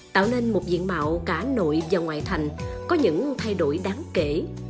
tạo nên một diện mạo cả nội và ngoại thành có những thay đổi đáng kể